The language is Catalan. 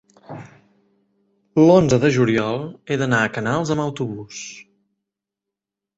L'onze de juliol he d'anar a Canals amb autobús.